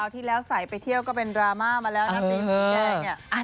คราวที่แล้วสายไปเที่ยวก็เป็นดราม่ามาแล้วนะสีสีแดง